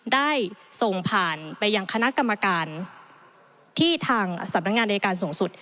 ได้ส่งผ่านไปยังคณะกรรมการที่ทางสำนักงานอายการสูงสุด